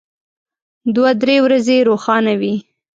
دوه درې ورځې روښانه وي.